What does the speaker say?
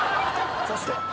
そして。